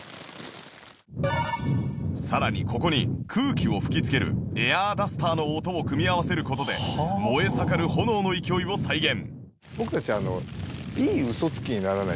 さらにここに空気を吹きつけるエアーダスターの音を組み合わせる事で燃え盛る炎の勢いを再現